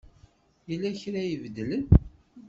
Yella kra i ibeddlen.